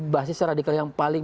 basis radikal yang paling